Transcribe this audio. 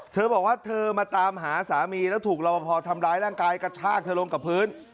เธอบอกว่าเธอมาตามหาสามีแล้วถูกรอบพอทำร้ายร่างกายกระชากเธอลงกับพื้น